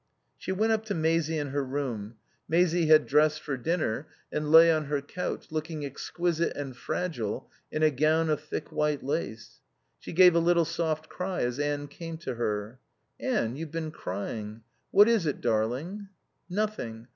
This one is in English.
She went up to Maisie in her room. Maisie had dressed for dinner and lay on her couch, looking exquisite and fragile in a gown of thick white lace. She gave a little soft cry as Anne came to her. "Anne, you've been crying. What is it, darling?" "Nothing.